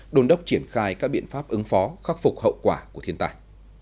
đồn đốc triển khai các biện pháp ứng phó khắc phục hậu quả của thiên tài